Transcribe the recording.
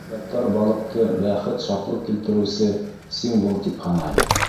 Поляктар балыҡты бәхет-шатлыҡ килтереүсе символ тип һанай.